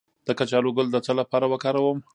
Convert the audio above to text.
د کچالو ګل د څه لپاره وکاروم؟